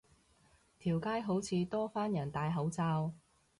條街好似多返人戴口罩